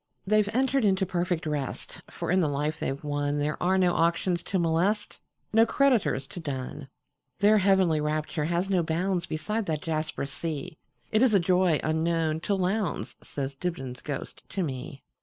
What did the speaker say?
"They 've entered into perfect rest; For in the life they 've wonThere are no auctions to molest, No creditors to dun. Their heavenly rapture has no boundsBeside that jasper sea; It is a joy unknown to Lowndes,"Says Dibdin's ghost to me.